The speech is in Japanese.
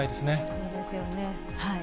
そうですよね。